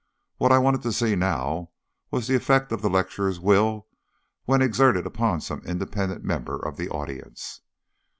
What I wanted to see now was the effect of the lecturer's will when exerted upon some independent member of the audience.